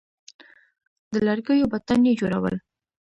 د لرګیو بتان یې جوړول